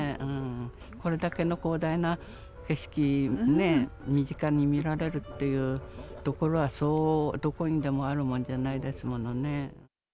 これだけの広大な景色ね、身近に見られるっていう所は、そう、どこにでもあるもんじゃないですものね。